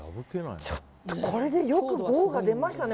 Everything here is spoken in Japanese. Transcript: ちょっとこれでよくゴーが出ましたね。